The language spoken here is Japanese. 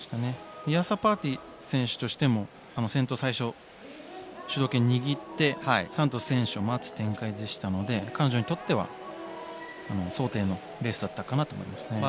ヤーサパーティ選手からしても最初主導権を握ってサントス選手を待つ展開でしたので彼女にとっては想定のレースだったかなと思います。